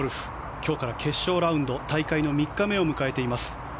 今日から決勝ラウンド大会の３日目を迎えています。